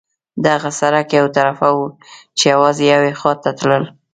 دغه سړک یو طرفه وو، چې یوازې یوې خوا ته تلل.